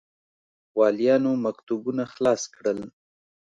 والیانو مکتوبونه خلاص کړل.